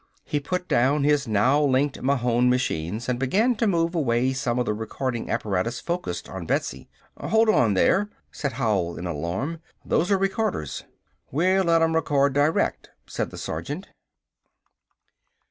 He put down his now linked Mahon machines and began to move away some of the recording apparatus focused on Betsy. "Hold on there!" said Howell in alarm. "Those are recorders!" "We'll let 'em record direct," said the sergeant.